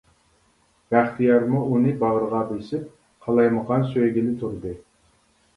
بەختىيارمۇ ئۇنى باغرىغا بېسىپ قالايمىقان سۆيگىلى تۇردى.